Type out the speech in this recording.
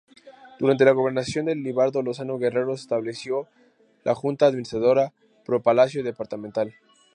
Durante la gobernación de Libardo Lozano Guerrero, se estableció la junta administradora "Pro-Palacio Departamental".